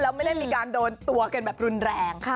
แล้วไม่ได้มีการโดนตัวกันแบบรุนแรง